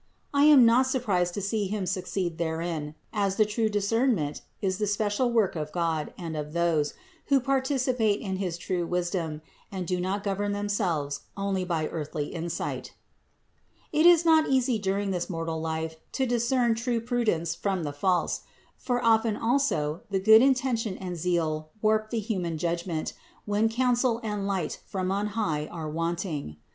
I am not surprised to see him succeed therein, as the true discernment is the special work of God and of those, who participate in his true wisdom, and do not govern themselves only by earthly insight. 5. It is not easy during this mortal life to discern true prudence from the false; for often also the good inten tion and zeal warp the human judgment, when counsel and light from on high are wanting.